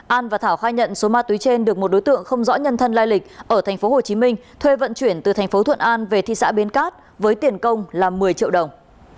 an và thảo khai nhận số ma túy trên được một đối tượng không rõ nhân thân lai lịch ở tp hcm thuê vận chuyển từ thành phố thuận an về thị xã bến cát với tiền công là một mươi triệu đồng